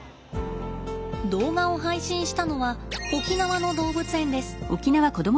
動画を配信したのは沖縄の動物園です。